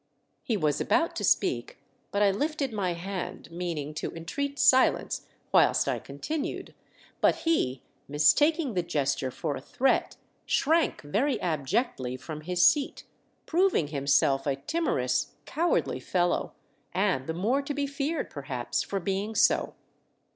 He was about to speak, but I lifted my hand, meaning to entreat silence whilst I continued, but he, mistaking the gesture for a threat, shrank very abjectly from his seat, proving himself a timorous, cowardly fellow, and the more to be feared, perhaps, for being so.